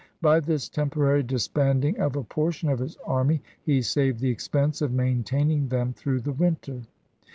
By this temporary disbanding of a portion of his army, he saved the expense of maintaining them through the winter.